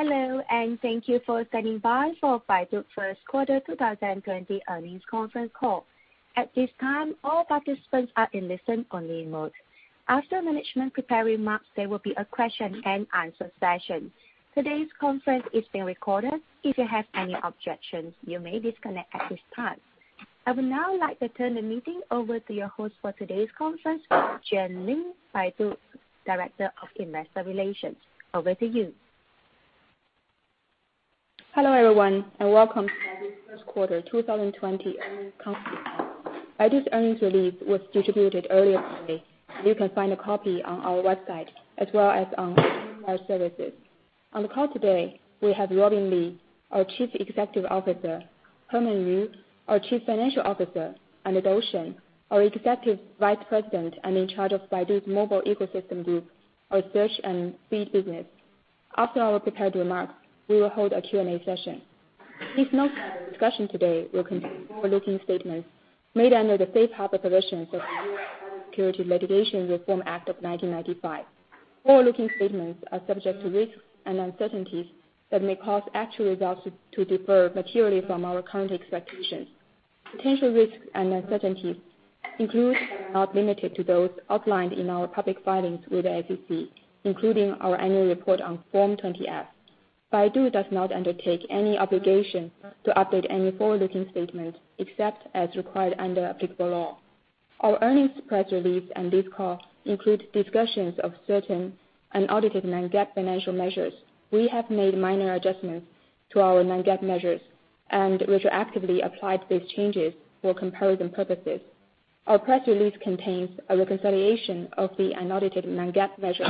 Hello, thank you for standing by for Baidu's first quarter 2020 earnings conference call. At this time, all participants are in listen-only mode. After management prepared remarks, there will be a question and answer session. Today's conference is being recorded. If you have any objections, you may disconnect at this time. I would now like to turn the meeting over to your host for today's conference, Juan Lin, Baidu's Director of Investor Relations. Over to you. Hello, everyone, welcome to Baidu's first quarter 2020 earnings conference call. Baidu's earnings release was distributed earlier today. You can find a copy on our website as well as on our investor services. On the call today, we have Robin Li, our Chief Executive Officer, Herman Yu, our Chief Financial Officer, and Dou Shen, our Executive Vice President and in charge of Baidu's Mobile Ecosystem Group, our search and feed business. After our prepared remarks, we will hold a Q&A session. Please note that our discussion today will contain forward-looking statements made under the safe harbor provisions of the U.S. Securities Litigation Reform Act of 1995. Forward-looking statements are subject to risks and uncertainties that may cause actual results to differ materially from our current expectations. Potential risks and uncertainties include, but are not limited to, those outlined in our public filings with the SEC, including our annual report on Form 20-F. Baidu does not undertake any obligation to update any forward-looking statements except as required under applicable law. Our earnings press release and this call include discussions of certain unaudited non-GAAP financial measures. We have made minor adjustments to our non-GAAP measures and retroactively applied these changes for comparison purposes. Our press release contains a reconciliation of the unaudited non-GAAP measures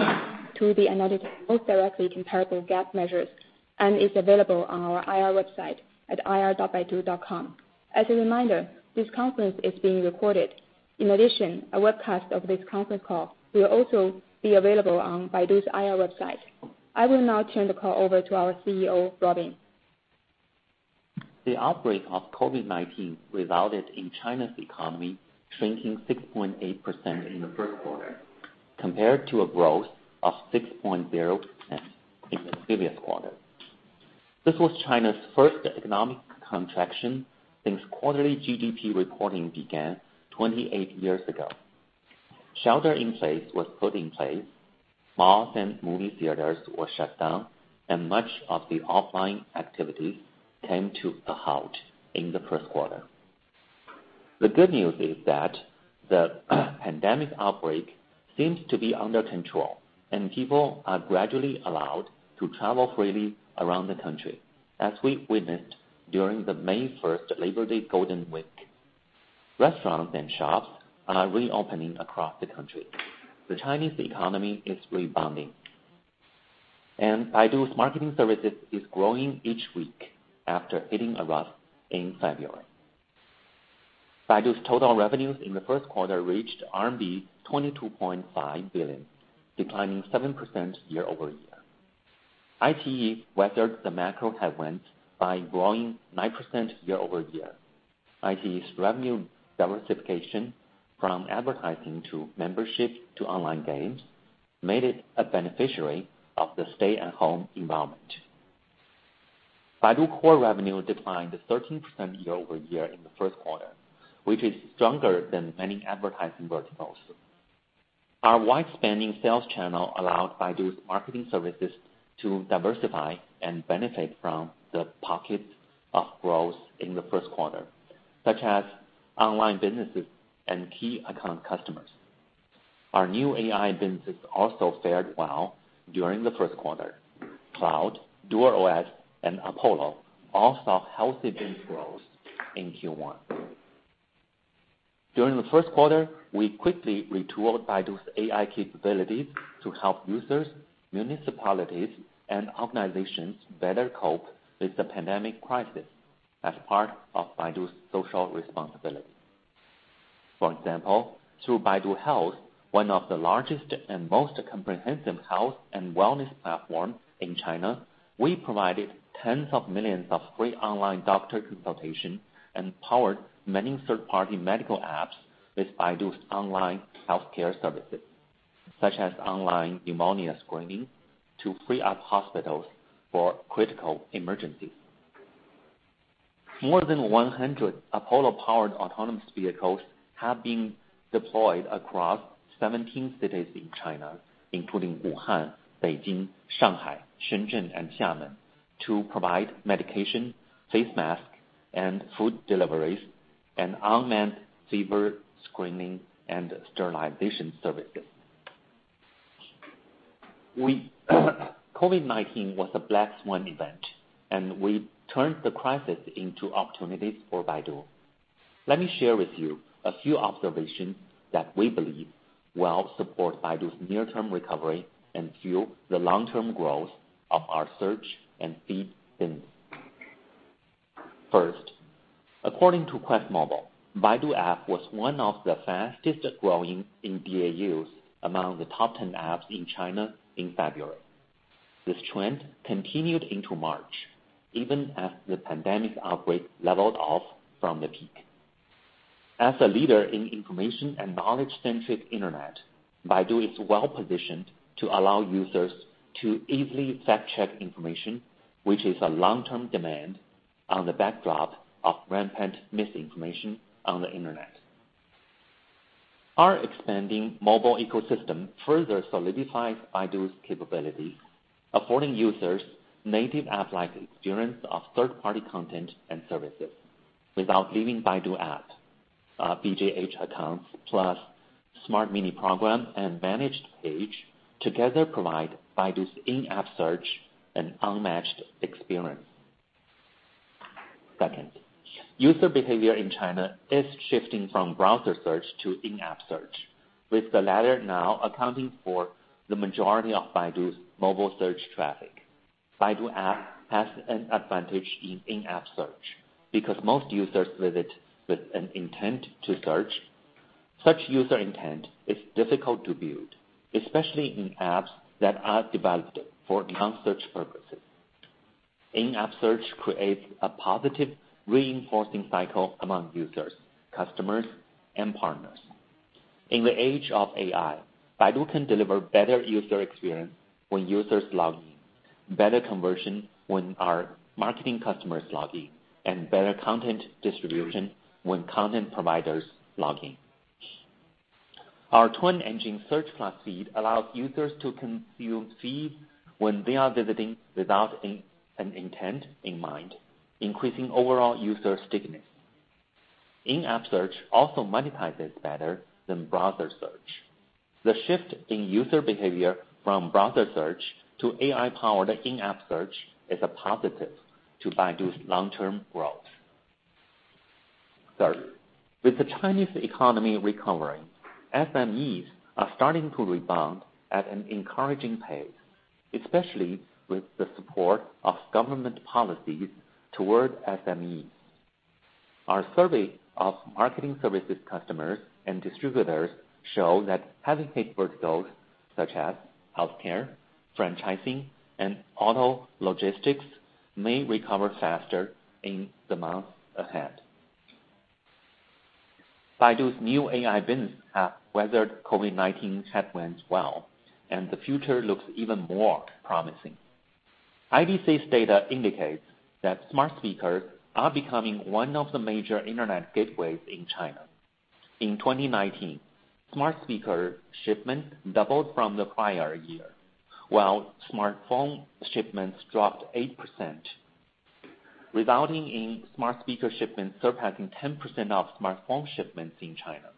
to the unaudited most directly comparable GAAP measures and is available on our IR website at ir.baidu.com. As a reminder, this conference is being recorded. In addition, a webcast of this conference call will also be available on Baidu's IR website. I will now turn the call over to our CEO, Robin. The outbreak of COVID-19 resulted in China's economy shrinking 6.8% in the first quarter compared to a growth of 6.0% in the previous quarter. This was China's first economic contraction since quarterly GDP reporting began 28 years ago. Shelter-in-place was put in place, malls and movie theaters were shut down, and much of the offline activity came to a halt in the first quarter. The good news is that the pandemic outbreak seems to be under control, and people are gradually allowed to travel freely around the country, as we witnessed during the May 1st Labor Day Golden Week. Restaurants and shops are reopening across the country. The Chinese economy is rebounding, and Baidu's marketing services is growing each week after hitting a rut in February. Baidu's total revenues in the first quarter reached RMB 22.5 billion, declining 7% year-over-year. iQIYI weathered the macro headwinds by growing 9% year-over-year. iQIYI's revenue diversification from advertising to membership to online games made it a beneficiary of the stay-at-home environment. Baidu Core revenue declined 13% year-over-year in the first quarter, which is stronger than many advertising verticals. Our wide-spanning sales channel allowed Baidu's marketing services to diversify and benefit from the pockets of growth in the first quarter, such as online businesses and key account customers. Our new AI businesses also fared well during the first quarter. Cloud, DuerOS, and Apollo all saw healthy business growth in Q1. During the first quarter, we quickly retooled Baidu's AI capabilities to help users, municipalities, and organizations better cope with the pandemic crisis as part of Baidu's social responsibility. For example, through Baidu Health, one of the largest and most comprehensive health and wellness platforms in China, we provided tens of millions of free online doctor consultations and powered many third-party medical apps with Baidu's online healthcare services, such as online pneumonia screening to free up hospitals for critical emergencies. More than 100 Apollo-powered autonomous vehicles have been deployed across 17 cities in China, including Wuhan, Beijing, Shanghai, Shenzhen, and Xiamen, to provide medication, face masks, and food deliveries, and unmanned fever screening and sterilization services. COVID-19 was a black swan event. We turned the crisis into opportunities for Baidu. Let me share with you a few observations that we believe will support Baidu's near-term recovery and fuel the long-term growth of our search and feed business. First, according to QuestMobile, Baidu app was one of the fastest-growing in DAUs among the top 10 apps in China in February. This trend continued into March, even as the pandemic outbreak leveled off from the peak. As a leader in information and knowledge-centric internet, Baidu is well-positioned to allow users to easily fact-check information, which is a long-term demand on the backdrop of rampant misinformation on the internet. Our expanding mobile ecosystem further solidifies Baidu's capability, affording users native app-like experience of third-party content and services without leaving Baidu app. Baijiahao accounts plus Smart Mini Programs and Managed Page together provide Baidu's in-app search an unmatched experience. Second, user behavior in China is shifting from browser search to in-app search, with the latter now accounting for the majority of Baidu's mobile search traffic. Baidu app has an advantage in in-app search because most users visit with an intent to search. Such user intent is difficult to build, especially in apps that are developed for non-search purposes. In-app search creates a positive reinforcing cycle among users, customers, and partners. In the age of AI, Baidu can deliver better user experience when users log in, better conversion when our marketing customers log in, and better content distribution when content providers log in. Our twin engine search plus feed allows users to consume feeds when they are visiting without an intent in mind, increasing overall user stickiness. In-app search also monetizes better than browser search. The shift in user behavior from browser search to AI-powered in-app search is a positive to Baidu's long-term growth. Third, with the Chinese economy recovering, SMEs are starting to rebound at an encouraging pace, especially with the support of government policies toward SMEs. Our survey of marketing services customers and distributors show that heavy hit verticals such as healthcare, franchising, and auto logistics may recover faster in the months ahead. Baidu's new AI business have weathered COVID-19 headwinds well, and the future looks even more promising. IDC's data indicates that smart speakers are becoming one of the major internet gateways in China. In 2019, smart speaker shipments doubled from the prior year, while smartphone shipments dropped 8%, resulting in smart speaker shipments surpassing 10% of smartphone shipments in China.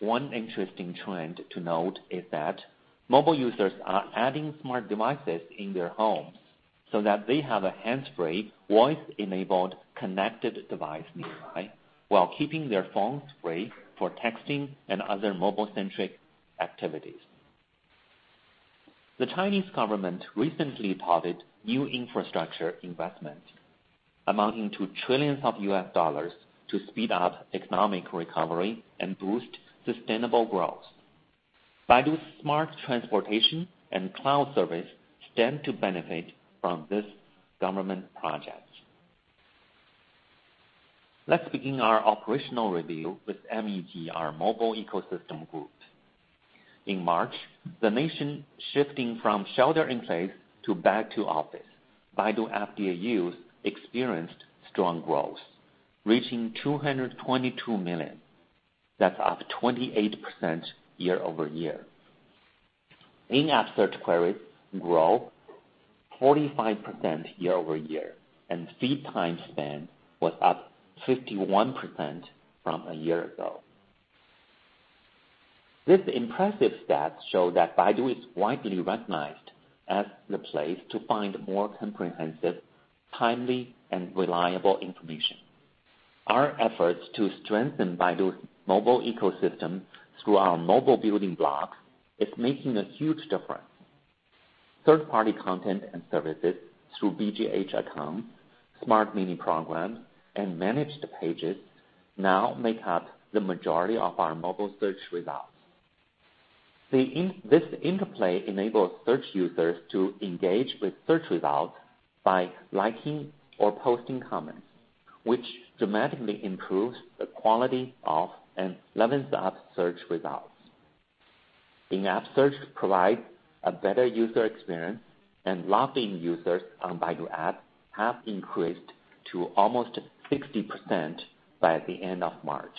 One interesting trend to note is that mobile users are adding smart devices in their homes so that they have a hands-free, voice-enabled, connected device nearby while keeping their phones free for texting and other mobile-centric activities. The Chinese government recently touted new infrastructure investment amounting to trillions of U.S. dollars to speed up economic recovery and boost sustainable growth. Baidu's smart transportation and cloud service stand to benefit from this government project. Let's begin our operational review with MEG, our Mobile Ecosystem Group. In March, the nation shifting from shelter in place to back to office. Baidu app DAUs experienced strong growth, reaching 222 million. That's up 28% year-over-year. In-app search queries grow 45% year-over-year, and feed time span was up 51% from a year ago. This impressive stats show that Baidu is widely recognized as the place to find more comprehensive, timely, and reliable information. Our efforts to strengthen Baidu's mobile ecosystem through our mobile building blocks is making a huge difference. Third-party content and services through BJH account, Smart Mini Programs, and Managed Pages now make up the majority of our mobile search results. This interplay enables search users to engage with search results by liking or posting comments, which dramatically improves the quality of and levels up search results. In-app search provides a better user experience, and logged-in users on Baidu app have increased to almost 60% by the end of March.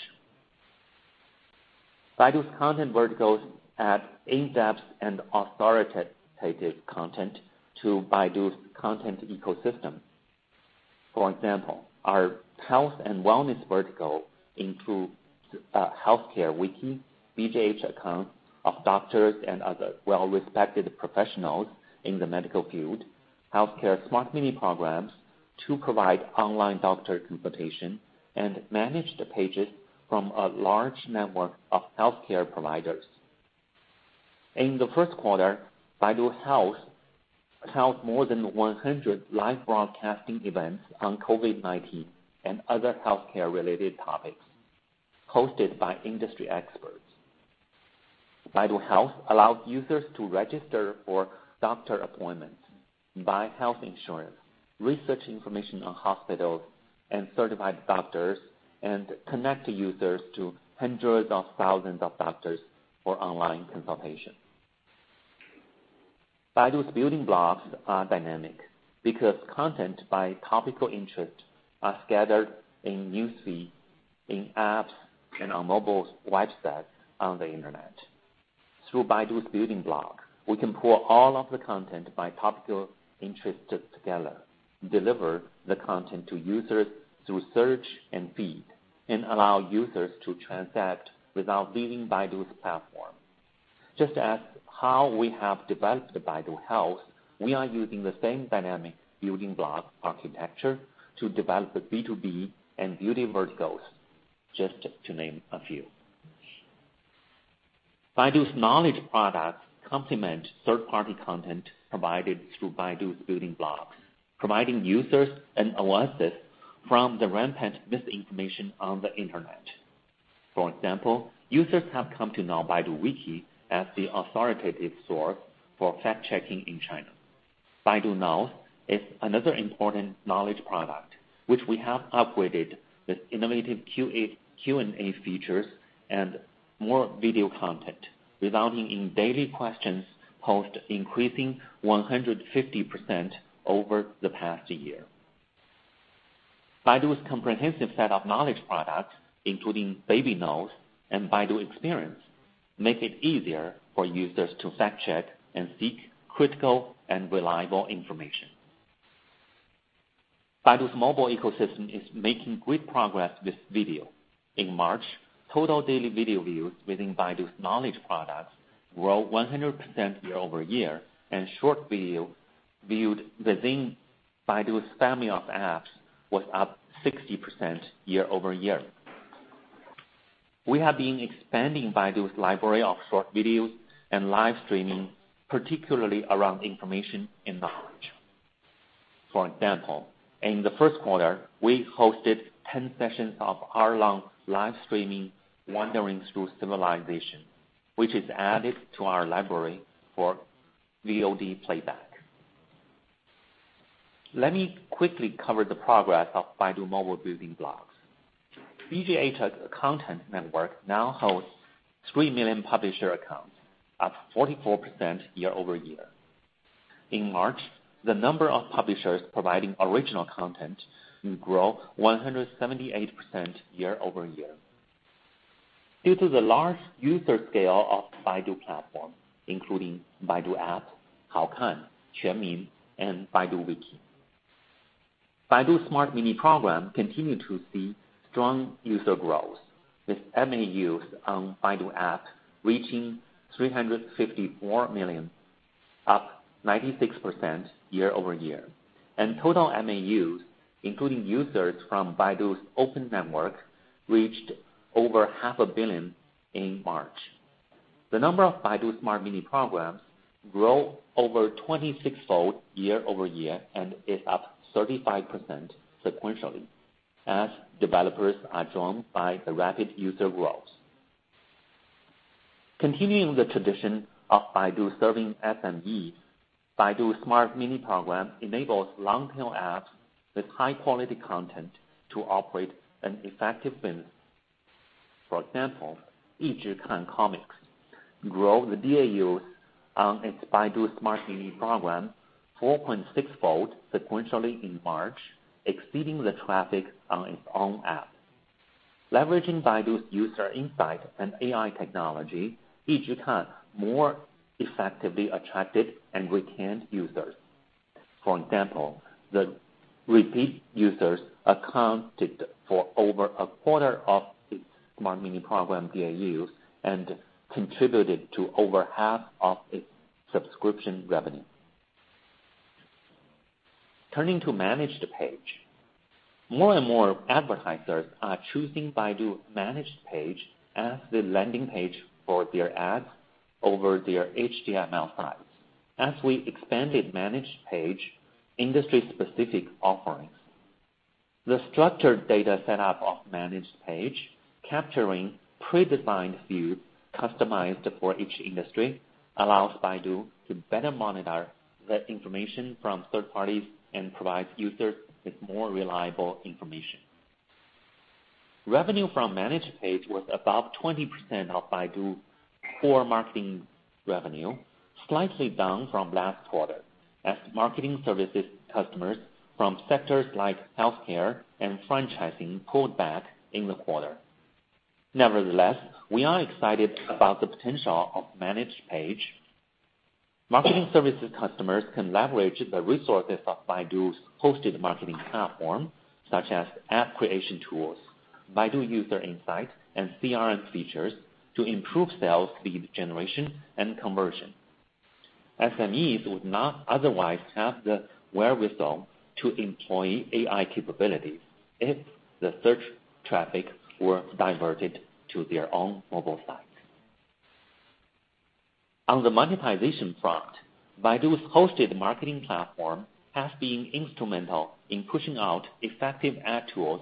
Baidu's content verticals add in-depth and authoritative content to Baidu's content ecosystem. For example, our health and wellness vertical includes Healthcare Wiki, Baijiahao accounts of doctors and other well-respected professionals in the medical field, healthcare Smart Mini Programs to provide online doctor consultation, and Managed Pages from a large network of healthcare providers. In the first quarter, Baidu Health held more than 100 live broadcasting events on COVID-19 and other healthcare-related topics hosted by industry experts. Baidu Health allows users to register for doctor appointments, buy health insurance, research information on hospitals and certified doctors, and connect users to hundreds of thousands of doctors for online consultation. Baidu's building blocks are dynamic because content by topical interest are scattered in newsfeed, in apps, and on mobile websites on the Internet. Through Baidu's building block, we can pull all of the content by topical interest together, deliver the content to users through search and feed, and allow users to transact without leaving Baidu's platform. Just as how we have developed the Baidu Health, we are using the same dynamic building block architecture to develop the B2B and beauty verticals, just to name a few. Baidu's knowledge products complement third-party content provided through Baidu's building blocks, providing users an oasis from the rampant misinformation on the Internet. For example, users have come to know BaiduWiki as the authoritative source for fact-checking in China. Baidu Knows is another important knowledge product which we have upgraded with innovative Q&A features and more video content, resulting in daily questions posed increasing 150% over the past year. Baidu's comprehensive set of knowledge products, including Baidu Knows and Baidu Experience, make it easier for users to fact-check and seek critical and reliable information. Baidu's mobile ecosystem is making great progress with video. In March, total daily video views within Baidu's knowledge products grew 100% year-over-year, and short video viewed within Baidu's family of apps was up 60% year-over-year. We have been expanding Baidu's library of short videos and live streaming, particularly around information and knowledge. For example, in the first quarter, we hosted 10 sessions of hour-long live streaming, Wandering through Civilization, which is added to our library for VOD playback. Let me quickly cover the progress of Baidu mobile building blocks. Baijiahao content network now hosts 3 million publisher accounts, up 44% year-over-year. In March, the number of publishers providing original content grew 178% year-over-year. Due to the large user scale of Baidu platform, including Baidu app, Haokan, QuanMin, and Baidu Baike. Baidu Smart Mini Program continued to see strong user growth, with MAUs on Baidu app reaching 354 million, up 96% year-over-year, and total MAUs, including users from Baidu's open network, reached over half a billion in March. The number of Baidu Smart Mini Programs grew over 26-fold year-over-year and is up 35% sequentially as developers are drawn by the rapid user growth. Continuing the tradition of Baidu serving SMEs, Baidu Smart Mini Program enables long-tail apps with high-quality content to operate an effective business. For example, YijiKan Comics grew the DAUs on its Baidu Smart Mini Program 4.6 fold sequentially in March, exceeding the traffic on its own app. Leveraging Baidu's user insight and AI technology, YijiKan more effectively attracted and retained users. For example, the repeat users accounted for over a quarter of its Smart Mini Program DAUs and contributed to over half of its subscription revenue. Turning to Managed Page. More and more advertisers are choosing Baidu Managed Page as the landing page for their ads over their HTML5 as we expanded Managed Page industry-specific offerings. The structured data set up of Managed Page, capturing pre-designed views customized for each industry, allows Baidu to better monitor the information from third parties and provide users with more reliable information. Revenue from Managed Page was above 20% of Baidu Core marketing revenue, slightly down from last quarter as marketing services customers from sectors like healthcare and franchising pulled back in the quarter. We are excited about the potential of Managed Page. Marketing services customers can leverage the resources of Baidu's hosted marketing platform, such as app creation tools, Baidu user insight, and CRM features to improve sales lead generation and conversion. SMEs would not otherwise have the wherewithal to employ AI capabilities if the search traffic were diverted to their own mobile site. On the monetization front, Baidu's hosted marketing platform has been instrumental in pushing out effective ad tools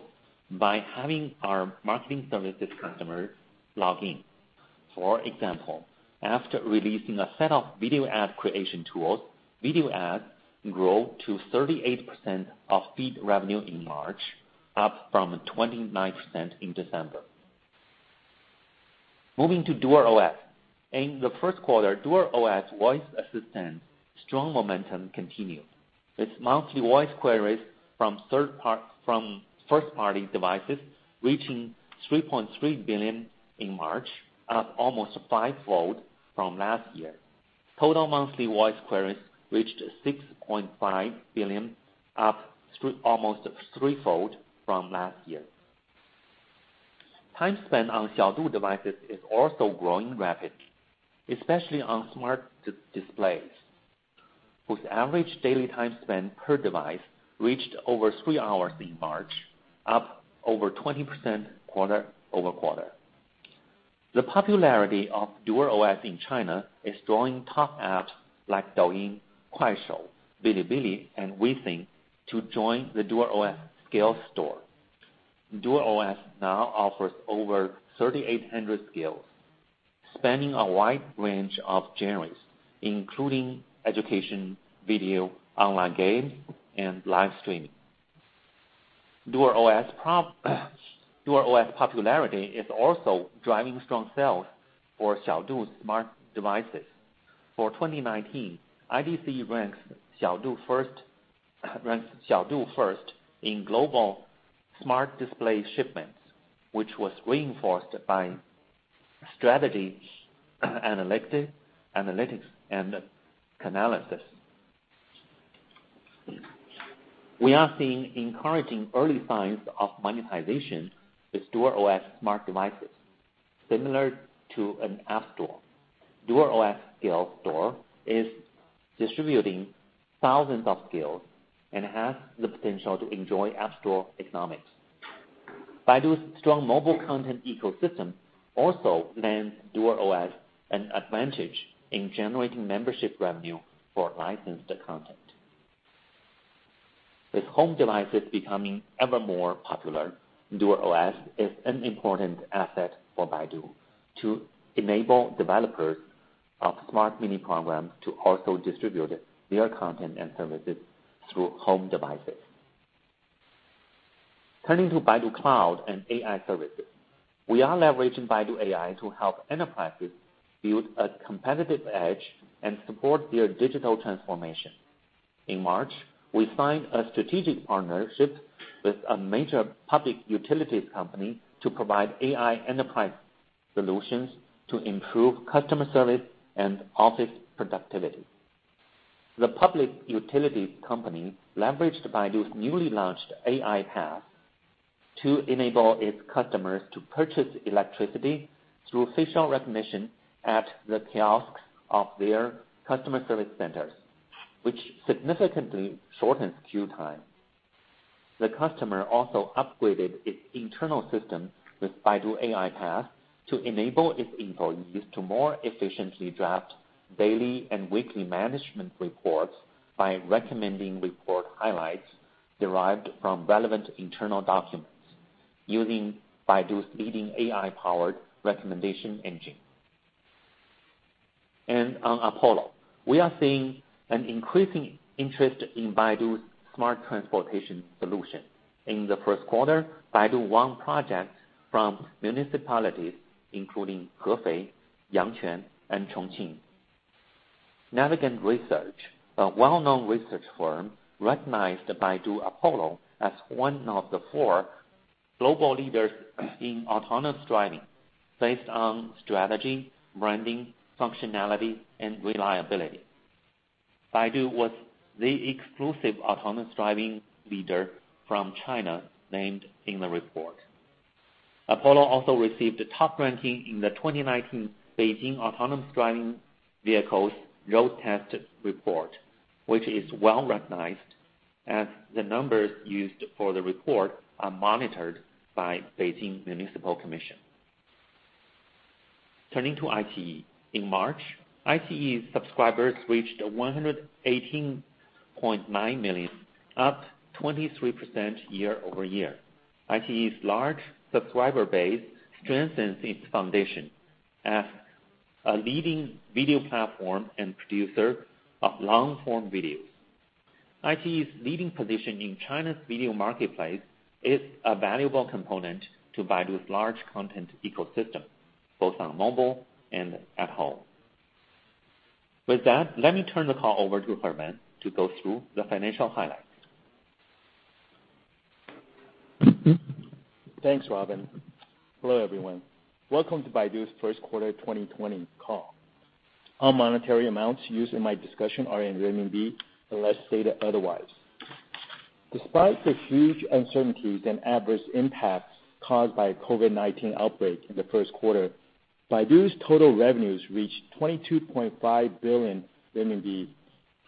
by having our marketing services customers log in. After releasing a set of video ad creation tools, video ads grow to 38% of feed revenue in March, up from 29% in December. Moving to DuerOS. In the first quarter, DuerOS voice assistant strong momentum continued. Its monthly voice queries from first party devices reaching 3.3 billion in March, up almost five-fold from last year. Total monthly voice queries reached 6.5 billion, up almost three-fold from last year. Time spent on Xiaodu devices is also growing rapidly, especially on smart displays, with average daily time spent per device reached over 3 hours in March, up over 20% quarter-over-quarter. The popularity of DuerOS in China is drawing top apps like Douyin, Kuaishou, Bilibili, and WeChat to join the DuerOS skill store. DuerOS now offers over 3,800 skills, spanning a wide range of genres, including education, video, online games and live streaming. DuerOS popularity is also driving strong sales for Xiaodu's smart devices. For 2019, IDC ranks Xiaodu first in global smart display shipments, which was reinforced by Strategy Analytics and Canalys. We are seeing encouraging early signs of monetization with DuerOS smart devices. Similar to an app store, DuerOS skill store is distributing thousands of skills and has the potential to enjoy app store economics. Baidu's strong mobile content ecosystem also lends DuerOS an advantage in generating membership revenue for licensed content. With home devices becoming ever more popular, DuerOS is an important asset for Baidu to enable developers of Baidu Smart Mini Program to also distribute their content and services through home devices. Turning to Baidu Cloud and AI services. We are leveraging Baidu AI to help enterprises build a competitive edge and support their digital transformation. In March, we signed a strategic partnership with a major public utilities company to provide AI enterprise solutions to improve customer service and office productivity. The public utilities company leveraged Baidu's newly launched AI PaaS to enable its customers to purchase electricity through facial recognition at the kiosks of their customer service centers, which significantly shortens queue time. The customer also upgraded its internal system with Baidu AI PaaS to enable its employees to more efficiently draft daily and weekly management reports by recommending report highlights derived from relevant internal documents using Baidu's leading AI-powered recommendation engine. On Apollo, we are seeing an increasing interest in Baidu's smart transportation solution. In the first quarter, Baidu won projects from municipalities including Hefei, Yangquan, and Chongqing. Navigant Research, a well-known research firm, recognized Baidu Apollo as one of the four global leaders in autonomous driving based on strategy, branding, functionality and reliability. Baidu was the exclusive autonomous driving leader from China named in the report. Apollo also received a top ranking in the 2019 Beijing autonomous driving vehicles road test report, which is well-recognized as the numbers used for the report are monitored by Beijing Municipal Commission. Turning to iQIYI. In March, iQIYI's subscribers reached 118.9 million, up 23% year-over-year. iQIYI's large subscriber base strengthens its foundation as a leading video platform and producer of long-form videos. iQIYI's leading position in China's video marketplace is a valuable component to Baidu's large content ecosystem, both on mobile and at home. With that, let me turn the call over to Herman to go through the financial highlights. Thanks, Robin. Hello, everyone. Welcome to Baidu's first quarter 2020 call. All monetary amounts used in my discussion are in renminbi, unless stated otherwise. Despite the huge uncertainties and adverse impacts caused by COVID-19 outbreak in the first quarter, Baidu's total revenues reached 22.5 billion renminbi,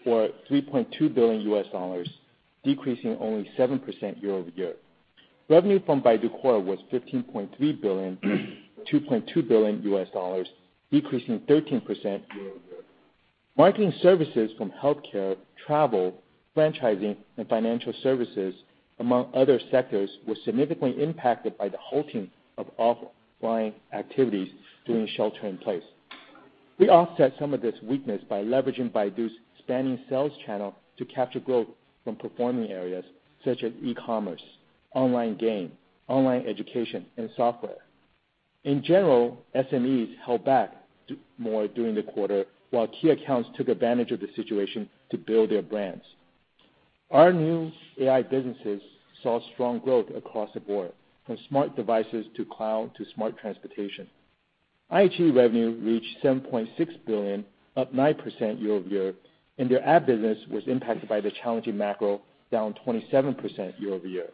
or $3.2 billion, decreasing only 7% year-over-year. Revenue from Baidu Core was RMB 15.3 billion, $2.2 billion, decreasing 13% year-over-year. Marketing services from healthcare, travel, franchising, and financial services, among other sectors, were significantly impacted by the halting of offline activities during shelter in place. We offset some of this weakness by leveraging Baidu's expanding sales channel to capture growth from performing areas such as e-commerce, online game, online education, and software. In general, SMEs held back more during the quarter, while key accounts took advantage of the situation to build their brands. Our new AI businesses saw strong growth across the board, from smart devices to cloud to smart transportation. IAG revenue reached 7.6 billion, up 9% year-over-year, and their ad business was impacted by the challenging macro, down 27% year-over-year.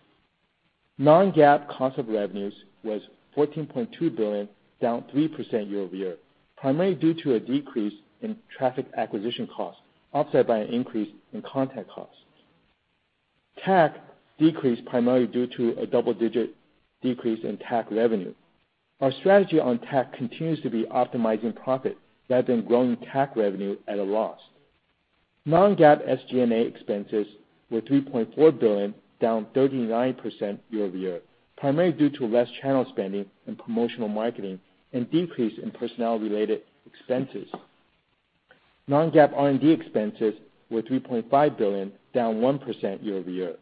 Non-GAAP cost of revenues was RMB 14.2 billion, down 3% year-over-year, primarily due to a decrease in traffic acquisition costs, offset by an increase in content costs. TAC decreased primarily due to a double-digit decrease in TAC revenue. Our strategy on TAC continues to be optimizing profit rather than growing TAC revenue at a loss. Non-GAAP SG&A expenses were 3.4 billion, down 39% year-over-year, primarily due to less channel spending and promotional marketing and decrease in personnel-related expenses. Non-GAAP R&D expenses were RMB 3.5 billion, down 1% year-over-year.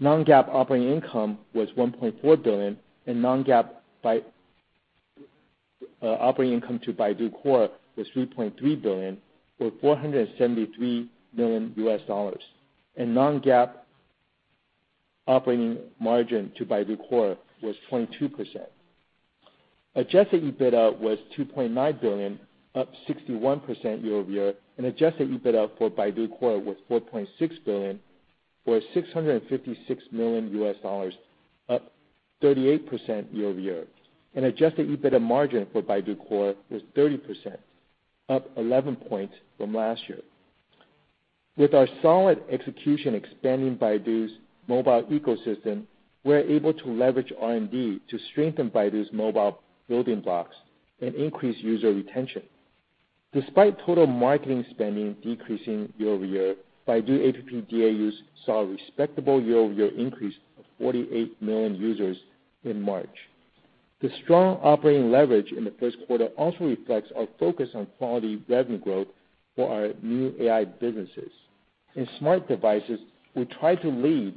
Non-GAAP operating income was RMB 1.4 billion, and non-GAAP operating income to Baidu Core was 3.3 billion, or $473 million, and non-GAAP operating margin to Baidu Core was 22%. Adjusted EBITDA was 2.9 billion, up 61% year-over-year, and adjusted EBITDA for Baidu Core was 4.6 billion, or $656 million, up 38% year-over-year. Adjusted EBITDA margin for Baidu Core was 30%, up 11 points from last year. With our solid execution expanding Baidu's mobile ecosystem, we're able to leverage R&D to strengthen Baidu's mobile building blocks and increase user retention. Despite total marketing spending decreasing year-over-year, Baidu app DAUs saw a respectable year-over-year increase of 48 million users in March. The strong operating leverage in the first quarter also reflects our focus on quality revenue growth for our new AI businesses. In smart devices, we try to lead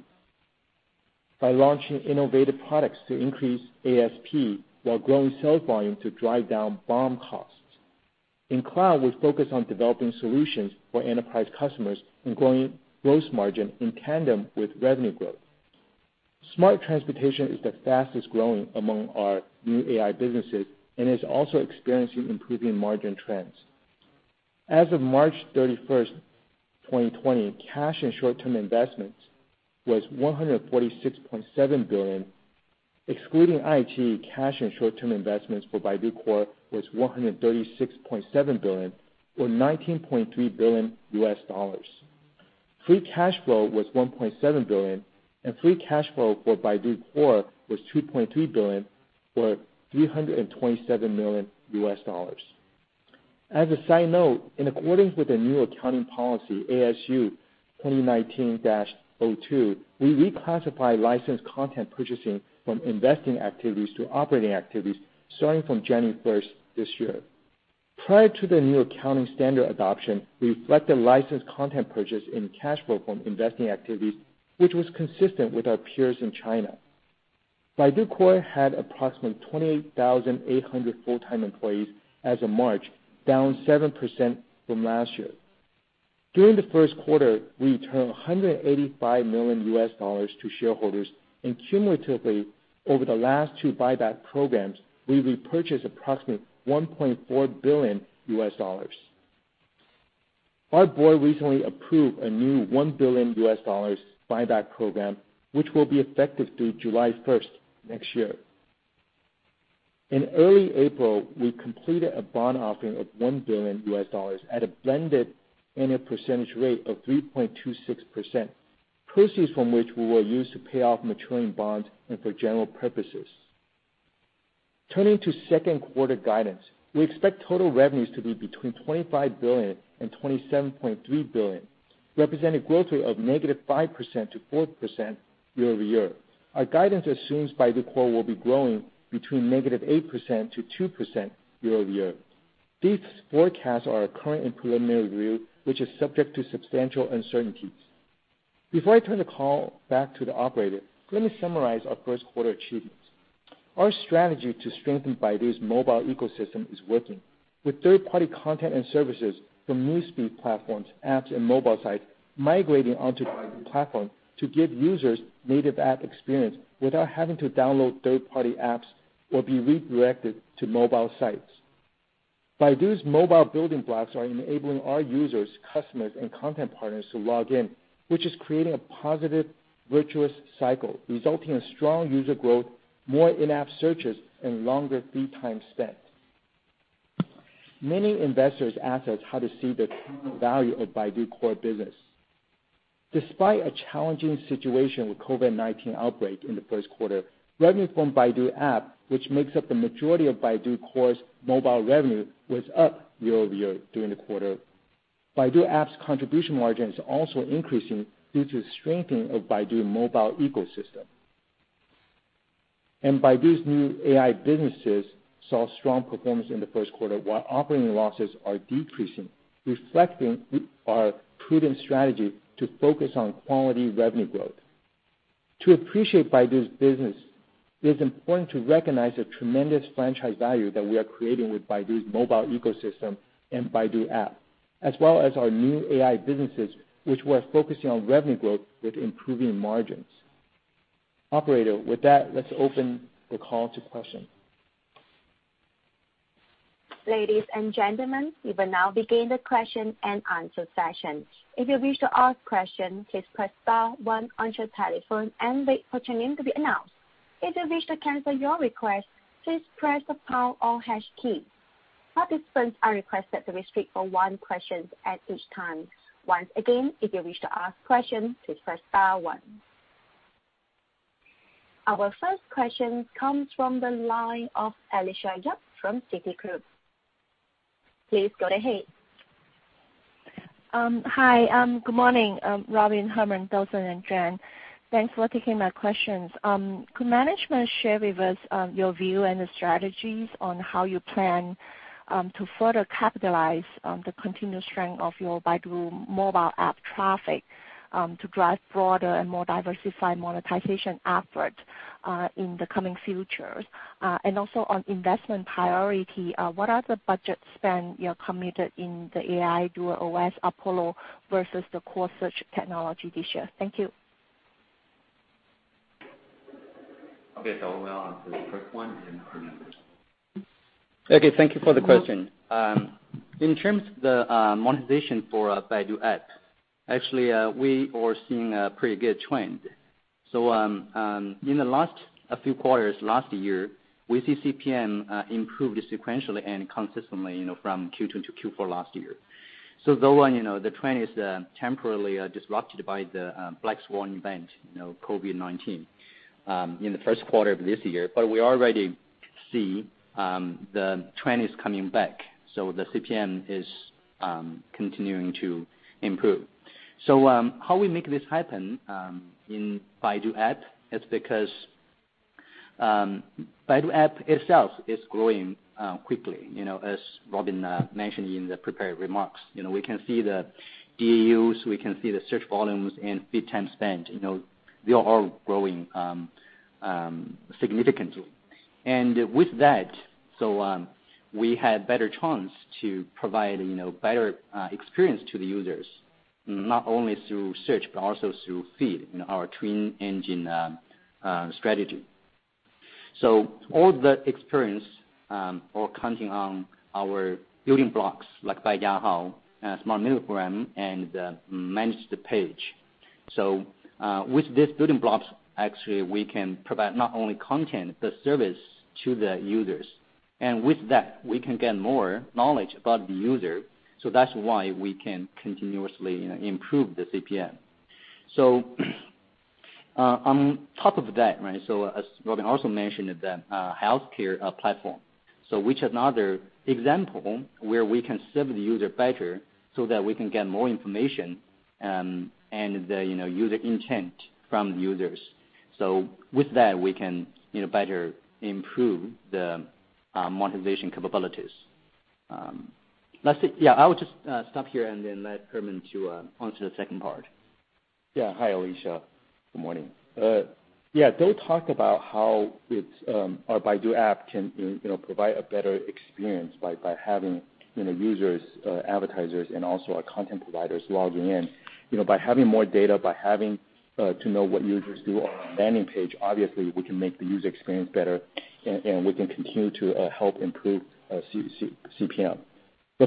by launching innovative products to increase ASP while growing sale volume to drive down BOM costs. In cloud, we focus on developing solutions for enterprise customers and growing gross margin in tandem with revenue growth. Smart transportation is the fastest-growing among our new AI businesses and is also experiencing improving margin trends. As of March 31st, 2020, cash and short-term investments was 146.7 billion, excluding IAG cash and short-term investments for Baidu Core was 136.7 billion, or $19.3 billion. Free cash flow was 1.7 billion, and free cash flow for Baidu Core was 2.3 billion, or $327 million. As a side note, in accordance with the new accounting policy, ASU 2019-02, we reclassify licensed content purchasing from investing activities to operating activities starting from January 1st this year. Prior to the new accounting standard adoption, we reflected licensed content purchase in cash flow from investing activities, which was consistent with our peers in China. Baidu Core had approximately 28,800 full-time employees as of March, down 7% from last year. During the first quarter, we returned $185 million to shareholders, and cumulatively over the last two buyback programs, we repurchased approximately $1.4 billion. Our board recently approved a new $1 billion buyback program, which will be effective through July 1st next year. In early April, we completed a bond offering of $1 billion at a blended annual percentage rate of 3.26%, proceeds from which will be used to pay off maturing bonds and for general purposes. Turning to second quarter guidance, we expect total revenues to be between 25 billion and 27.3 billion, representing growth rate of negative 5% to 4% year-over-year. Our guidance assumes Baidu Core will be growing between -8% to 2% year-over-year. These forecasts are our current and preliminary view, which is subject to substantial uncertainties. Before I turn the call back to the operator, let me summarize our first quarter achievements. Our strategy to strengthen Baidu's mobile ecosystem is working. With third-party content and services from Newsfeed platforms, apps, and mobile sites migrating onto Baidu platform to give users native app experience without having to download third-party apps or be redirected to mobile sites. Baidu's mobile building blocks are enabling our users, customers, and content partners to log in, which is creating a positive virtuous cycle, resulting in strong user growth, more in-app searches, and longer free time spent. Many investors ask us how to see the current value of Baidu Core business. Despite a challenging situation with COVID-19 outbreak in the first quarter, revenue from Baidu app, which makes up the majority of Baidu Core's mobile revenue, was up year-over-year during the quarter. Baidu app's contribution margin is also increasing due to strengthening of Baidu mobile ecosystem. Baidu's new AI businesses saw strong performance in the first quarter while operating losses are decreasing, reflecting our prudent strategy to focus on quality revenue growth. To appreciate Baidu's business, it is important to recognize the tremendous franchise value that we are creating with Baidu's mobile ecosystem and Baidu app, as well as our new AI businesses, which we're focusing on revenue growth with improving margins. Operator, with that, let's open the call to question. Ladies and gentlemen, we will now begin the question and answer session. If you wish to ask question, please press star one on your telephone and wait for your name to be announced. If you wish to cancel your request, please press the pound or hash key. All participants are requested to restrict for one question at each time. Once again, if you wish to ask question, please press star one. Our first question comes from the line of Alicia Yap from Citigroup. Please go ahead. Hi. Good morning, Robin, Herman, Dou Shen, and Juan Lin. Thanks for taking my questions. Could management share with us your view and the strategies on how you plan to further capitalize the continuous strength of your Baidu app traffic to drive broader and more diversified monetization effort in the coming futures? Also on investment priority, what are the budget spend you have committed in the DuerOS Apollo versus the core search technology this year? Thank you. Okay. Dou will answer the first one, and Herman the second. Okay. Thank you for the question. In terms of the monetization for Baidu app, actually, we are seeing a pretty good trend. In the last few quarters, last year, we see CPM improved sequentially and consistently from Q2 to Q4 last year. Though the trend is temporarily disrupted by the black swan event, COVID-19, in the first quarter of this year, we already see the trend is coming back. The CPM is continuing to improve. How we make this happen in Baidu app, it's because Baidu app itself is growing quickly, as Robin mentioned in the prepared remarks. We can see the DAUs, we can see the search volumes, and feed time spent. They are all growing significantly. With that, we had better chance to provide better experience to the users, not only through search, but also through feed in our twin engine strategy. All the experience are counting on our building blocks like Baijiahao, Baidu Smart Mini Program, and the Managed Page. With these building blocks, actually, we can provide not only content, but service to the users. With that, we can get more knowledge about the user. That's why we can continuously improve the CPM. On top of that, as Robin also mentioned the healthcare platform. Which is another example where we can serve the user better that we can get more information, and the user intent from users. With that, we can better improve the monetization capabilities. I would just stop here and then let Herman to answer the second part. Yeah. Hi, Alicia. Good morning. Dawei talked about how our Baidu app can provide a better experience by having users, advertisers and also our content providers logging in. By having more data, by having to know what users do on our landing page, obviously, we can make the user experience better, and we can continue to help improve CPM.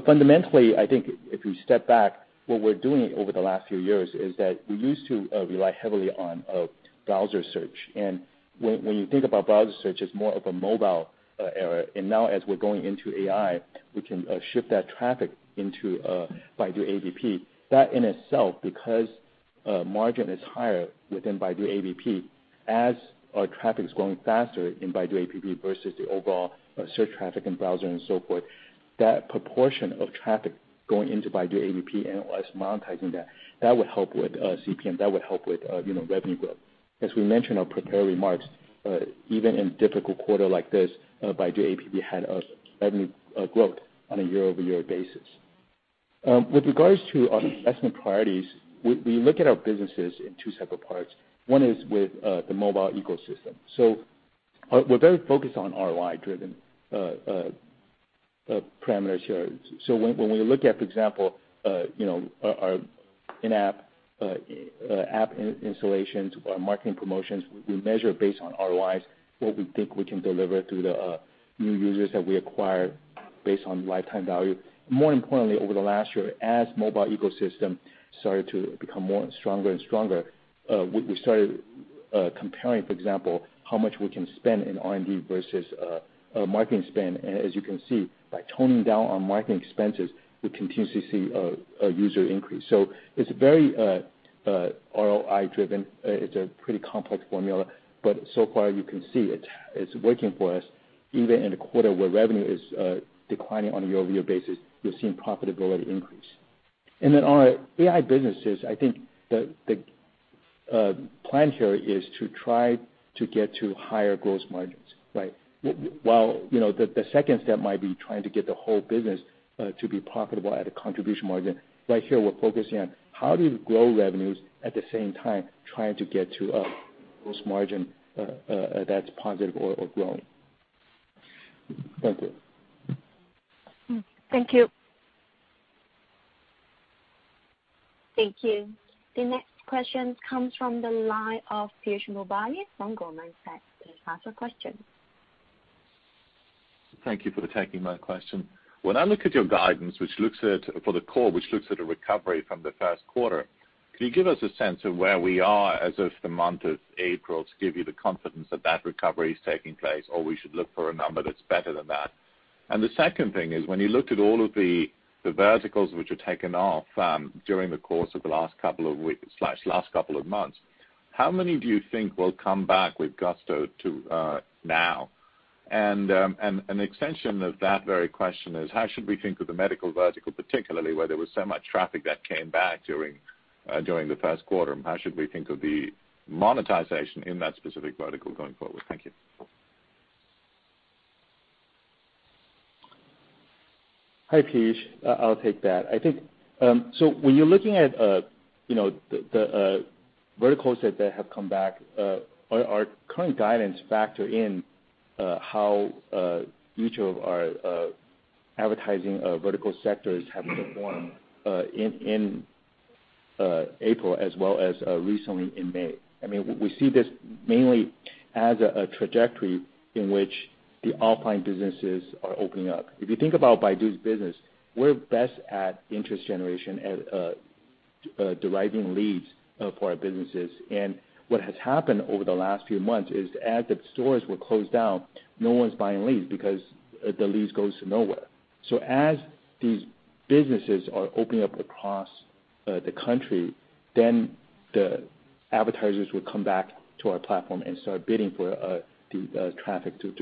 Fundamentally, I think if we step back, what we're doing over the last few years is that we used to rely heavily on browser search. When you think about browser search as more of a mobile era, and now as we're going into AI, we can shift that traffic into Baidu app. That in itself, because margin is higher within Baidu app, as our traffic is growing faster in Baidu app versus the overall search traffic and browser and so forth, that proportion of traffic going into Baidu app and us monetizing that would help with CPM, that would help with revenue growth. As we mentioned on prepared remarks, even in difficult quarter like this, Baidu app had a revenue growth on a year-over-year basis. With regards to our investment priorities, we look at our businesses in two separate parts. One is with the Mobile Ecosystem. We're very focused on ROI-driven parameters here. When we look at, for example, our in-app app installations or marketing promotions, we measure based on ROIs what we think we can deliver to the new users that we acquire based on lifetime value. More importantly, over the last year, as mobile ecosystem started to become more stronger and stronger, we started comparing, for example, how much we can spend in R&D versus marketing spend. As you can see, by toning down on marketing expenses, we continue to see a user increase. It's very ROI driven. It's a pretty complex formula, but so far you can see it. It's working for us. Even in a quarter where revenue is declining on a year-over-year basis, you're seeing profitability increase. Our AI businesses, I think the plan here is to try to get to higher gross margins. Right. While the second step might be trying to get the whole business to be profitable at a contribution margin. Right here, we're focusing on how do we grow revenues, at the same time, trying to get to a gross margin that's positive or growing. Thank you. Thank you. Thank you. The next question comes from the line of Piyush Mubayi from Goldman Sachs. Please ask your question. Thank you for taking my question. When I look at your guidance, for the core, which looks at a recovery from the first quarter, can you give us a sense of where we are as if the month of April to give you the confidence that that recovery is taking place, or we should look for a number that's better than that? The second thing is, when you looked at all of the verticals which have taken off during the course of the last couple of weeks/last couple of months, how many do you think will come back with gusto to now? An extension of that very question is, how should we think of the medical vertical, particularly where there was so much traffic that came back during the first quarter, and how should we think of the monetization in that specific vertical going forward? Thank you. Hi, Piyush. I'll take that. When you're looking at the verticals that have come back, our current guidance factor in how each of our advertising vertical sectors have performed in April as well as recently in May. We see this mainly as a trajectory in which the offline businesses are opening up. If you think about Baidu's business, we're best at interest generation, at deriving leads for our businesses. What has happened over the last few months is as the stores were closed down, no one's buying leads because the leads goes nowhere. As these businesses are opening up across the country, then the advertisers will come back to our platform and start bidding for the traffic to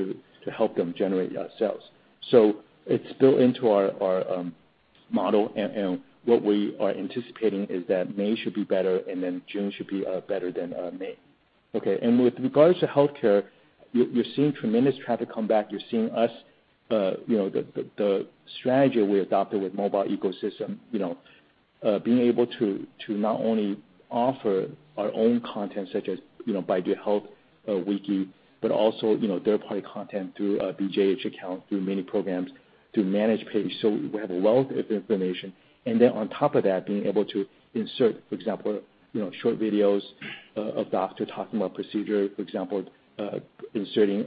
help them generate sales. It's built into our model, and what we are anticipating is that May should be better, and then June should be better than May. With regards to healthcare, you're seeing tremendous traffic come back. You're seeing the strategy we adopted with Mobile Ecosystem, being able to not only offer our own content such as Baidu Health Wiki, but also third-party content through a BJH account, through Mini Programs, through Managed Pages. We have a wealth of information. On top of that, being able to insert, for example, short videos of doctor talking about procedure, for example, inserting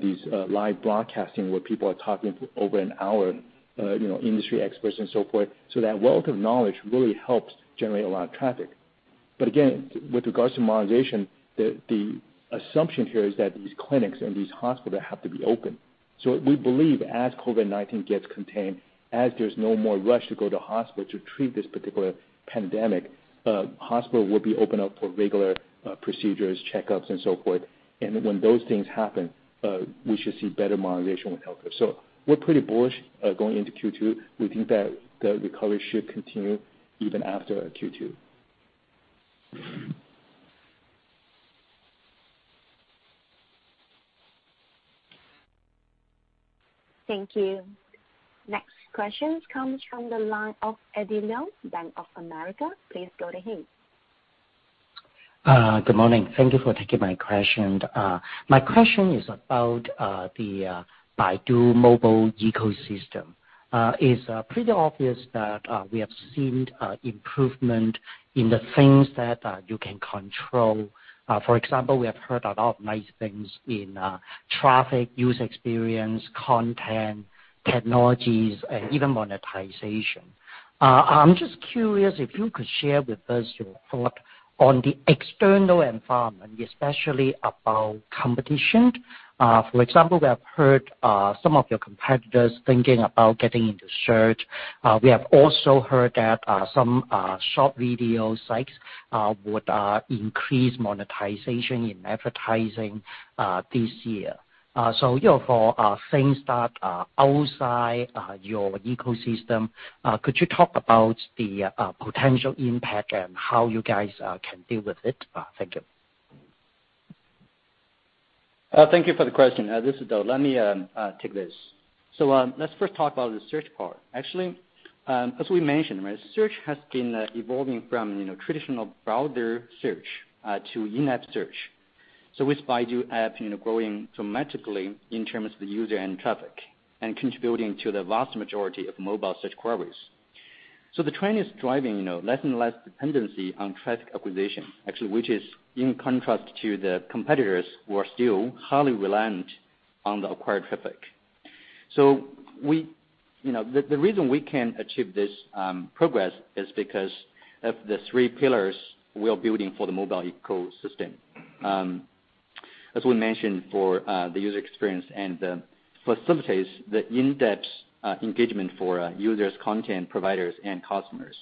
these live broadcasting where people are talking for over one hour, industry experts and so forth. That wealth of knowledge really helps generate a lot of traffic. Again, with regards to monetization, the assumption here is that these clinics and these hospitals have to be open. We believe as COVID-19 gets contained, as there's no more rush to go to hospital to treat this particular pandemic, hospital will be open up for regular procedures, checkups, and so forth. When those things happen, we should see better monetization with healthcare. We're pretty bullish going into Q2. We think that the recovery should continue even after Q2. Thank you. Next questions comes from the line of Eddie Leung, Bank of America. Please go ahead. Good morning. Thank you for taking my question. My question is about the Baidu mobile ecosystem. It's pretty obvious that we have seen improvement in the things that you can control. For example, we have heard a lot of nice things in traffic, user experience, content, technologies, even monetization. I'm just curious if you could share with us your thought on the external environment, especially about competition. For example, we have heard some of your competitors thinking about getting into search. We have also heard that some short video sites would increase monetization in advertising this year. For things that are outside your ecosystem, could you talk about the potential impact and how you guys can deal with it? Thank you. Thank you for the question. This is Dou Shen. Let me take this. Let's first talk about the search part. Actually, as we mentioned, search has been evolving from traditional browser search to in-app search. With Baidu app growing dramatically in terms of the user and traffic and contributing to the vast majority of mobile search queries. The trend is driving less and less dependency on traffic acquisition, actually, which is in contrast to the competitors who are still highly reliant on the acquired traffic. The reason we can achieve this progress is because of the three pillars we are building for the mobile ecosystem. As we mentioned, for the user experience and the facilities, the in-depth engagement for users, content providers, and customers.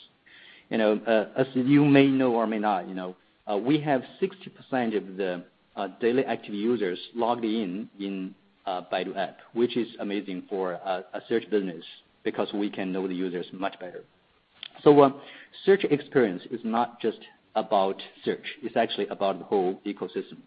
As you may know or may not, we have 60% of the daily active users logged in Baidu app, which is amazing for a search business because we can know the users much better. Search experience is not just about search, it's actually about the whole ecosystem.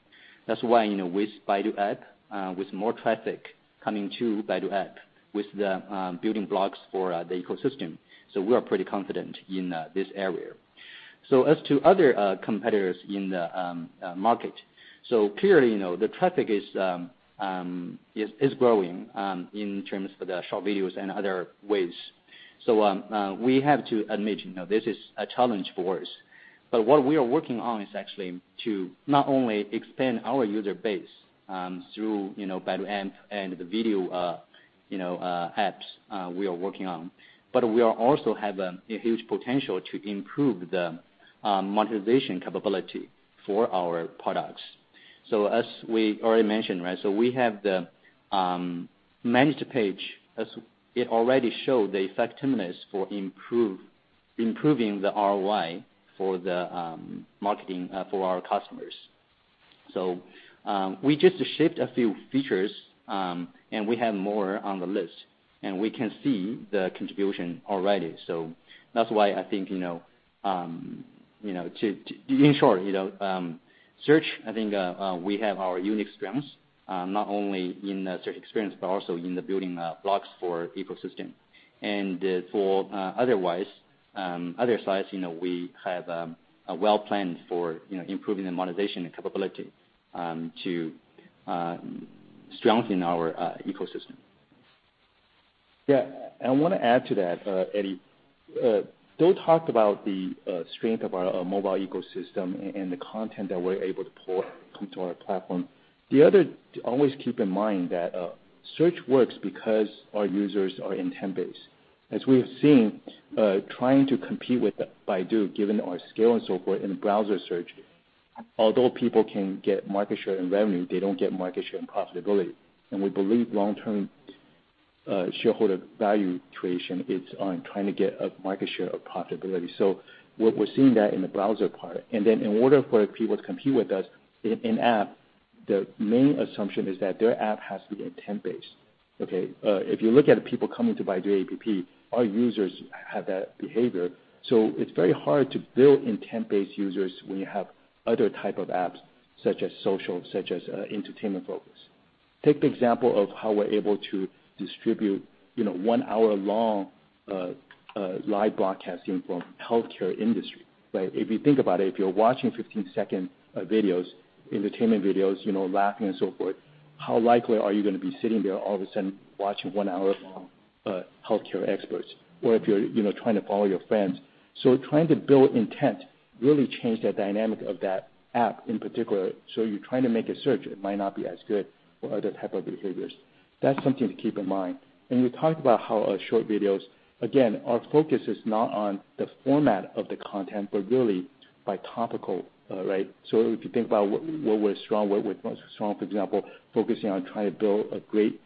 That's why with Baidu app, with more traffic coming to Baidu app, with the building blocks for the ecosystem, we are pretty confident in this area. As to other competitors in the market, clearly, the traffic is growing in terms of the short videos and other ways. We have to admit this is a challenge for us. What we are working on is actually to not only expand our user base through Baidu app and the video apps we are working on, but we are also have a huge potential to improve the monetization capability for our products. As we already mentioned, we have the Managed Page, as it already showed the effectiveness for improving the ROI for the marketing for our customers. We just shipped a few features, and we have more on the list, and we can see the contribution already. That's why I think, in short, search, I think we have our unique strengths, not only in the search experience, but also in the building blocks for ecosystem. For other sites, we have a well-planned for improving the monetization capability to strengthen our ecosystem. Yeah. I want to add to that, Eddie. You talked about the strength of our mobile ecosystem and the content that we're able to pull, come to our platform. Always keep in mind that search works because our users are intent-based. As we have seen, trying to compete with Baidu, given our scale and so forth in browser search, although people can get market share and revenue, they don't get market share and profitability. We believe long-term shareholder value creation is on trying to get a market share of profitability. We're seeing that in the browser part. Then in order for people to compete with us in app, the main assumption is that their app has to be intent-based. Okay? If you look at people coming to Baidu app, our users have that behavior. It's very hard to build intent-based users when you have other type of apps such as social, such as entertainment focus. Take the example of how we're able to distribute one hour long live broadcasting from healthcare industry. If you think about it, if you're watching 15-second videos, entertainment videos, laughing and so forth, how likely are you going to be sitting there all of a sudden watching one hour long healthcare experts, or if you're trying to follow your friends. Trying to build intent really change the dynamic of that app in particular. You're trying to make a search, it might not be as good for other type of behaviors. That's something to keep in mind. When you talk about how short videos, again, our focus is not on the format of the content, but really by topical. Right? If you think about what was strong, for example, focusing on trying to build a great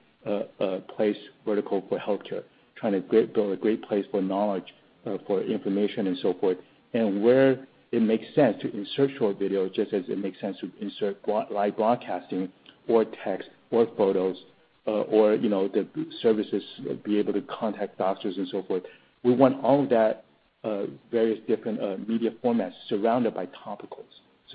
place vertical for healthcare, trying to build a great place for knowledge, for information and so forth, and where it makes sense to insert short video, just as it makes sense to insert live broadcasting or text or photos, or the services be able to contact doctors and so forth. We want all that various different media formats surrounded by topicals.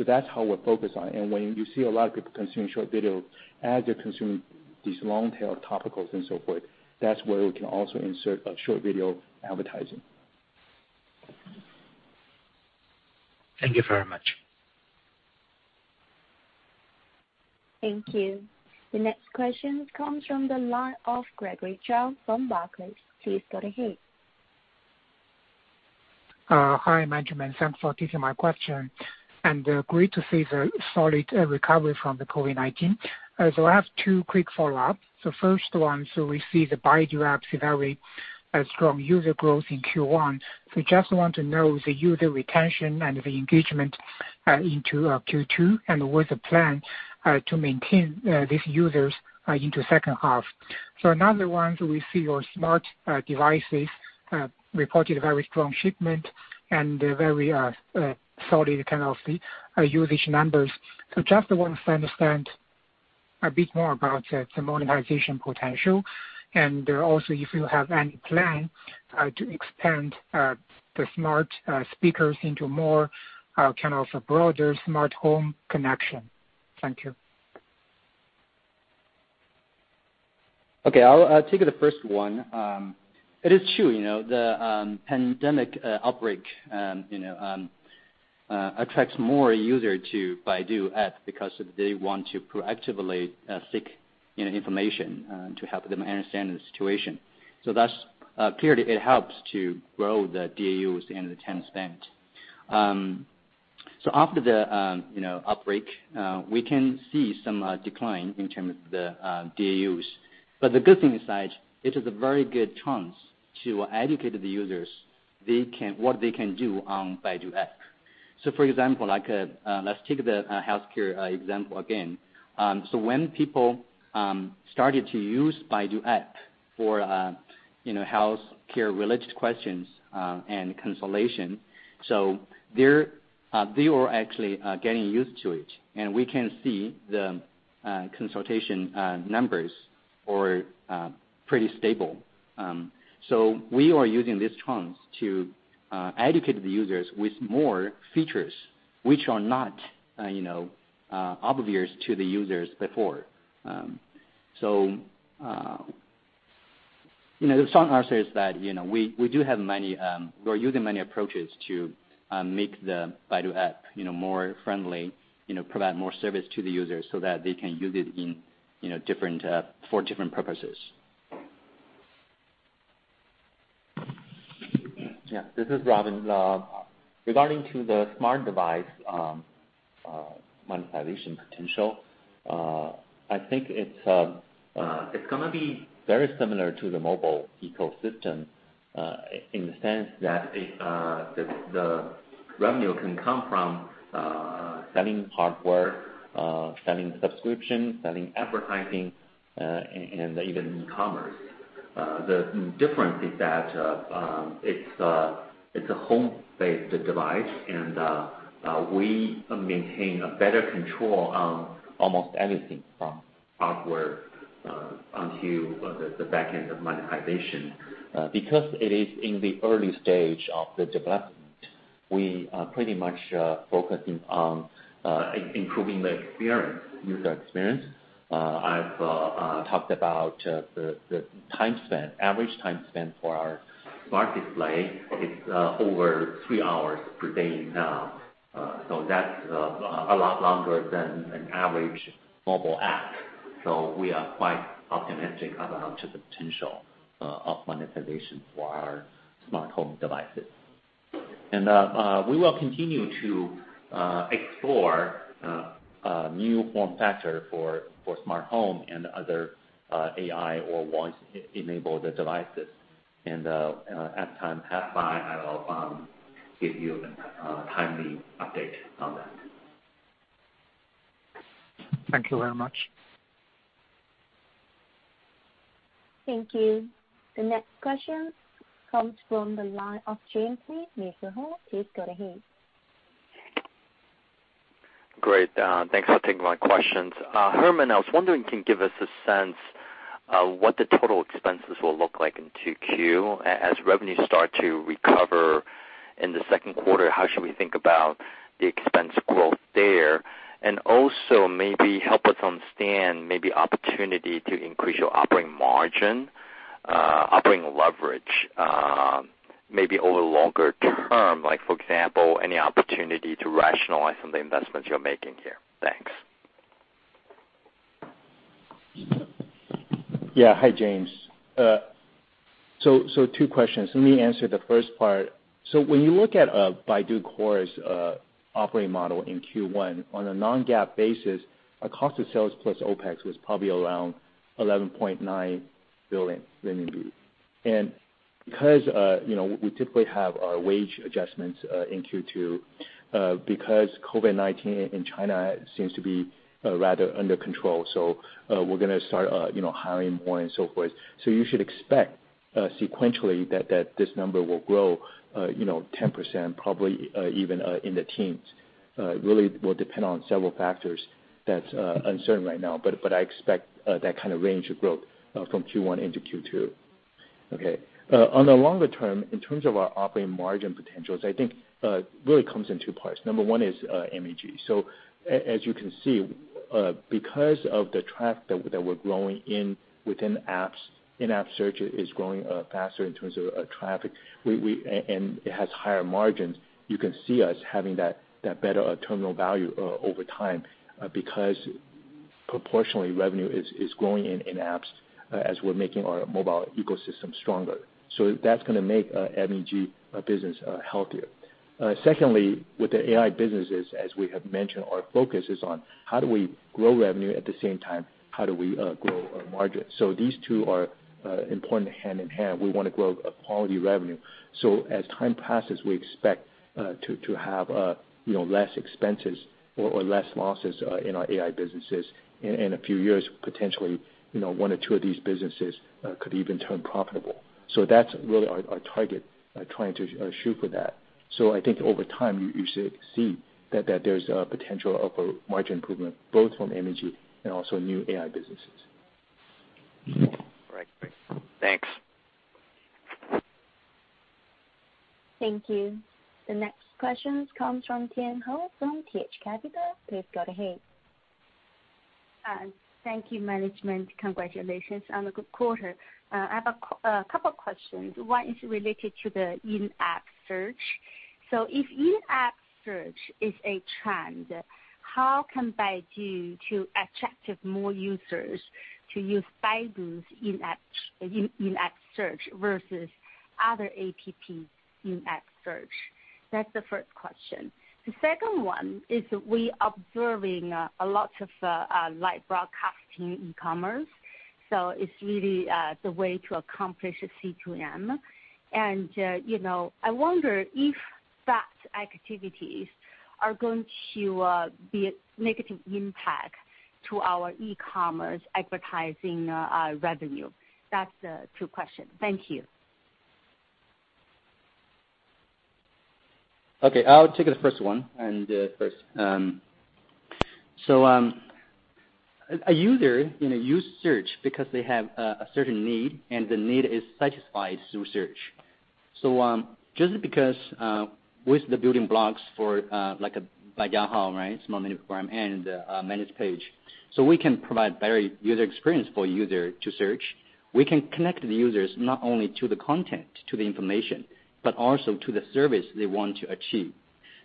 That's how we're focused on. When you see a lot of people consuming short video as they're consuming these long-tail topicals and so forth, that's where we can also insert a short video advertising. Thank you very much. Thank you. The next question comes from the line of Gregory Zhao from Barclays. Please go ahead. Hi, management. Thanks for taking my question. Great to see the solid recovery from the COVID-19. I have two quick follow-ups. First one, we see the Baidu app is very strong user growth in Q1. Just want to know the user retention and the engagement into Q2, and what's the plan to maintain these users into second half. Another one, we see your smart devices reported very strong shipment and very solid kind of usage numbers. Just want to understand a bit more about the monetization potential, also if you have any plan to expand the smart speakers into more kind of a broader smart home connection. Thank you. Okay, I'll take the first one. It is true, the pandemic outbreak attracts more users to Baidu app because they want to proactively seek information to help them understand the situation. That's clearly it helps to grow the DAUs and the time spent. After the outbreak, we can see some decline in terms of the DAUs. The good thing is, it is a very good chance to educate the users, what they can do on Baidu app. For example, let's take the healthcare example again. When people started to use Baidu app for healthcare related questions and consultation, they were actually getting used to it, and we can see the consultation numbers were pretty stable. We are using this chance to educate the users with more features which are not obvious to the users before. The short answer is that we're using many approaches to make the Baidu app more friendly, provide more service to the users so that they can use it for different purposes. Yeah, this is Robin. Regarding to the smart device monetization potential, I think it's going to be very similar to the mobile ecosystem, in the sense that the revenue can come from selling hardware, selling subscription, selling advertising, and even e-commerce. The difference is that it's a home-based device, and we maintain a better control on almost anything from hardware onto the back end of monetization. It is in the early stage of the development, we are pretty much focusing on improving the user experience. I've talked about the average time spent for our smart display, it's over three hours per day now. That's a lot longer than an average mobile app. We are quite optimistic about the potential of monetization for our smart home devices. We will continue to explore a new form factor for smart home and other AI or voice-enabled devices. As time pass by, I will give you a timely update on that. Thank you very much. Thank you. The next question comes from the line of James Lee. Mr. Lee, please go ahead. Great. Thanks for taking my questions. Herman, I was wondering, can you give us a sense of what the total expenses will look like in 2Q as revenues start to recover in the second quarter, how should we think about the expense growth there? Also maybe help us understand maybe opportunity to increase your operating margin, operating leverage maybe over longer term, like for example, any opportunity to rationalize some of the investments you're making here. Thanks. Yeah. Hi, James. Two questions. Let me answer the first part. When you look at Baidu Core's operating model in Q1, on a non-GAAP basis, our cost of sales plus OPEX was probably around 11.9 billion renminbi. Because we typically have our wage adjustments in Q2 because COVID-19 in China seems to be rather under control, so we're going to start hiring more and so forth. You should expect sequentially that this number will grow 10%, probably even in the teens. Really will depend on several factors that's uncertain right now, but I expect that kind of range of growth from Q1 into Q2. Okay. On the longer term, in terms of our operating margin potentials, I think really comes in two parts. Number one is MEG. As you can see, because of the traffic that we're growing in within apps, in-app search is growing faster in terms of traffic. It has higher margins. You can see us having that better terminal value over time, because proportionally, revenue is growing in in-apps as we're making our mobile ecosystem stronger. That's going to make our MEG business healthier. Secondly, with the AI businesses, as we have mentioned, our focus is on how do we grow revenue, at the same time, how do we grow our margin? These two are important hand in hand. We want to grow a quality revenue. As time passes, we expect to have less expenses or less losses in our AI businesses. In a few years, potentially one or two of these businesses could even turn profitable. That's really our target, trying to shoot for that. I think over time you should see that there's a potential of a margin improvement both from MEG and also new AI businesses. Right. Thanks. Thank you. The next question comes from Tian Hou from TH Capital. Please go ahead. Thank you, management. Congratulations on a good quarter. I have a couple questions. One is related to the in-app search. If in-app search is a trend, how can Baidu attract more users to use Baidu's in-app search versus other apps in-app search? That's the first question. The second one is we observing lots of live broadcasting commerce. It's really the way to accomplish a C2M. I wonder if that activities are going to be a negative impact to our e-commerce advertising revenue. That's two questions. Thank you. Okay, I'll take the first one. A user use Search because they have a certain need, and the need is satisfied through Search. Just because, with the building blocks for, like Baijiahao, right? Small Mini Program and the Managed Page. We can provide better user experience for user to search. We can connect the users not only to the content, to the information, but also to the service they want to achieve.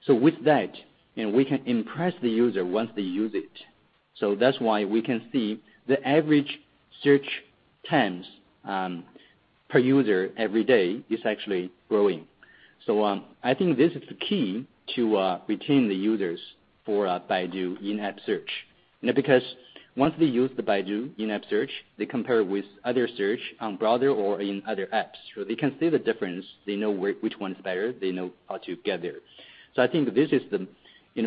With that, we can impress the user once they use it. That's why we can see the average search times, per user every day is actually growing. I think this is the key to retain the users for Baidu in-app search. Once they use the Baidu in-app search, they compare it with other search on browser or in other apps. They can see the difference. They know which one's better, they know how to get there. I think this is the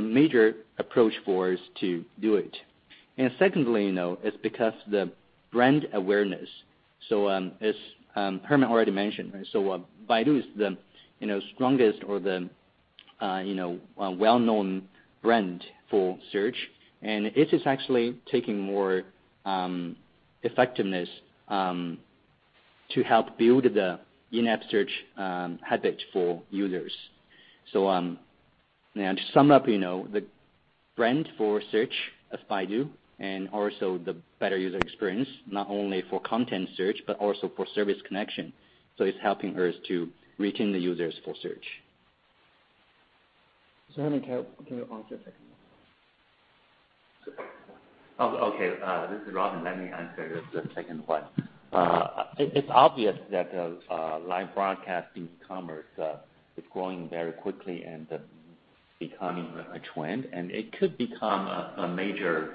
major approach for us to do it. Secondly, it's because the brand awareness. As Herman already mentioned, Baidu is the strongest or the well-known brand for Search. It is actually taking more effectiveness to help build the in-app Search habits for users. Now to sum up, the brand for Search of Baidu and also the better user experience, not only for content search, but also for service connection. It's helping us to retain the users for Search. Herman, can you answer the second one? Okay, this is Robin. Let me answer the second one. It's obvious that live broadcasting commerce is growing very quickly and becoming a trend, and it could become a major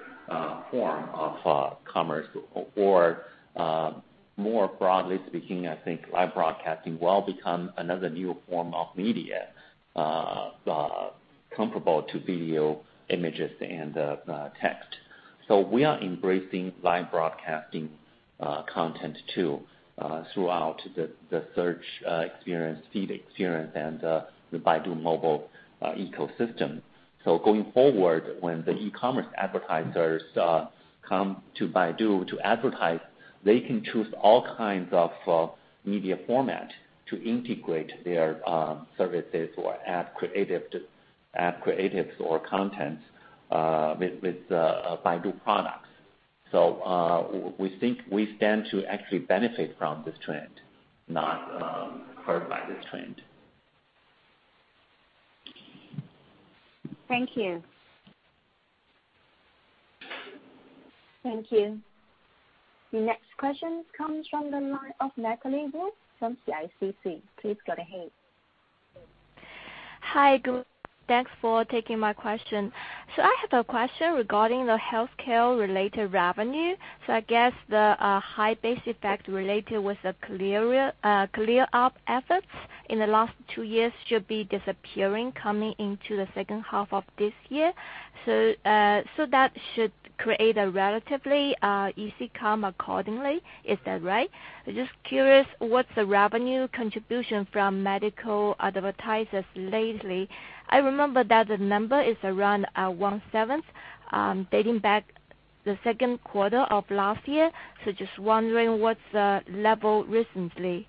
form of commerce. More broadly speaking, I think live broadcasting will become another new form of media comparable to video, images, and text. We are embracing live broadcasting content too, throughout the search experience, feed experience, and the Baidu mobile ecosystem. Going forward, when the e-commerce advertisers come to Baidu to advertise, they can choose all kinds of media format to integrate their services or ad creatives or content with Baidu products. We think we stand to actually benefit from this trend, not hurt by this trend. Thank you. Thank you. The next question comes from the line of Natalie Wu from CICC. Please go ahead. Hi, good. Thanks for taking my question. I have a question regarding the healthcare-related revenue. I guess the high base effect related with the clear up efforts in the last two years should be disappearing coming into the second half of this year. That should create a relatively easy comp accordingly, is that right? Just curious, what's the revenue contribution from medical advertisers lately? I remember that the number is around one seventh, dating back the second quarter of last year. Just wondering what's the level recently.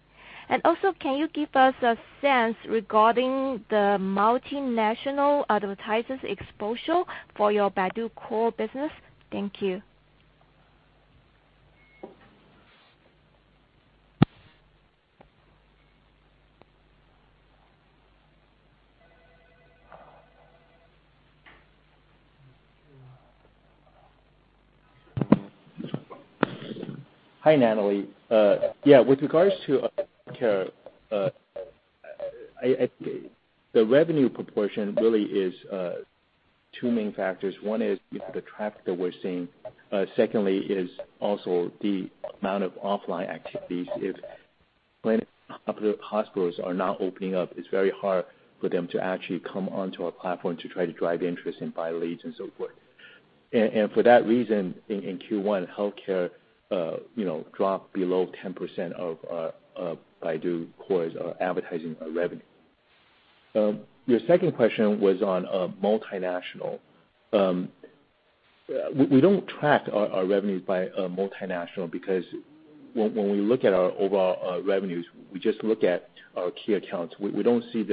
Also, can you give us a sense regarding the multinational advertisers exposure for your Baidu Core business? Thank you. Hi, Natalie. Yeah, with regards to healthcare, the revenue proportion really is two main factors. One is the traffic that we're seeing. Secondly is also the amount of offline activities. If hospitals are not opening up, it's very hard for them to actually come onto our platform to try to drive interest and buy leads and so forth. For that reason, in Q1 healthcare dropped below 10% of Baidu Core advertising revenue. Your second question was on multinational. We don't track our revenues by multinational because when we look at our overall revenues, we just look at our key accounts. We don't see it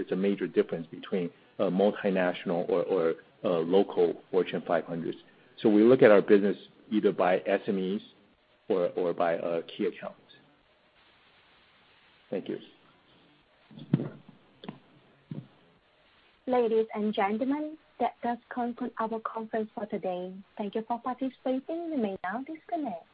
as a major difference between a multinational or a local Fortune 500s. We look at our business either by SMEs or by key accounts. Thank you. Ladies and gentlemen, that does conclude our conference for today. Thank you for participating. You may now disconnect.